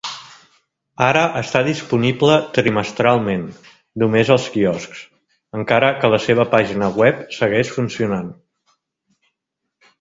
Ara està disponible trimestralment només als quioscs, encara que la seva pàgina web segueix funcionant.